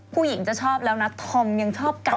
ผู้หญิงจะชอบแล้วนะธอมยังชอบเก่า